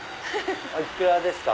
お幾らですか？